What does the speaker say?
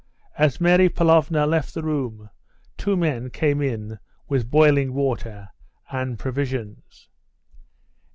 As Mary Pavlovna left the room, two men came in with boiling water and provisions.